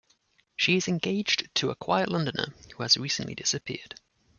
She is engaged to a quiet Londoner who has recently disappeared.